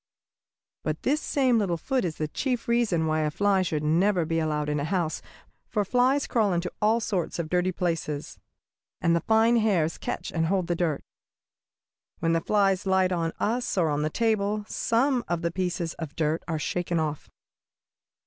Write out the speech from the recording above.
"But this same little foot is the chief reason why a fly should never be allowed in the house, for flies crawl into all sorts of dirty places, and the fine hairs catch and hold the dirt. When the fly lights on us or on the table, some of the pieces of dirt are shaken off."